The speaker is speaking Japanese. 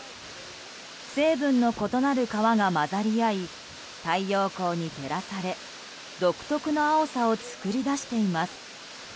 成分の異なる川が混ざり合い太陽光に照らされ独特の青さを作り出しています。